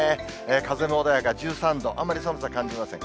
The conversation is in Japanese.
風も穏やか、１３度、あんまり寒さ感じません。